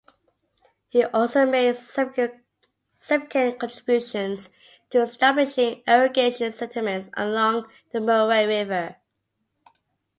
He also made significant contributions to establishing irrigation settlements along the Murray River.